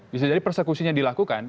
bisa jadi persekusinya dilakukan